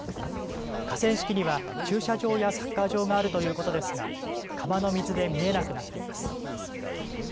河川敷には駐車場やサッカー場があるということですが川の水で見えなくなっています。